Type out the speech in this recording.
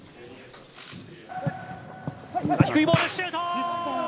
低いボール、シュート。